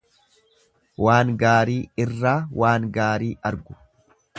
Waan gaarii irraa waan gaarii argu.